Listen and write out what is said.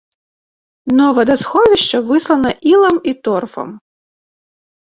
Дно вадасховішча выслана ілам і торфам.